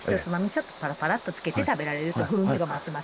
ちょっとパラパラッとつけて食べられると風味が増します。